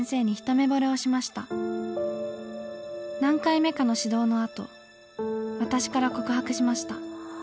何回目かの指導のあと私から告白しました。